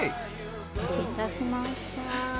失礼いたしました。